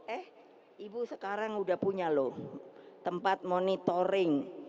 eh ibu sekarang udah punya loh tempat monitoring